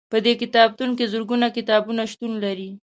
په دې کتابتون کې زرګونه کتابونه شتون لري.